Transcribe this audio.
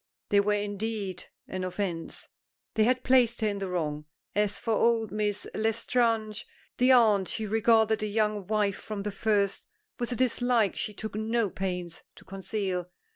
They were indeed an offence. They had placed her in the wrong. As for old Miss L'Estrange, the aunt, she regarded the young wife from the first with a dislike she took no pains to conceal.